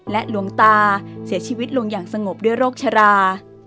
หลวงตาเสียชีวิตลงอย่างสงบด้วยโรคชรา